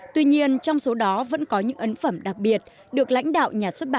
tuy nhiên trong số đó vẫn có những ấn phẩm đặc biệt được lãnh đạo nhà xuất bản